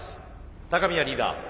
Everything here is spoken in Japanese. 高宮リーダー